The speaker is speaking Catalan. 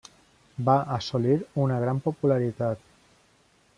Va assolir una gran popularitat.